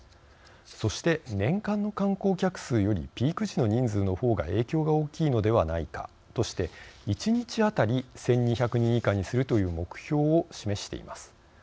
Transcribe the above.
そして、年間の観光客数よりピーク時の人数のほうが影響が大きいのではないかとして１日当たり１２００人以下にするという目標を示しています。